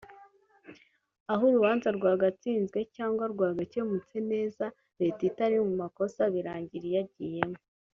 aho urubanza rwagatsinzwe cyangwa rwagakemutse neza leta itari mu makosa birangira iyagiyemo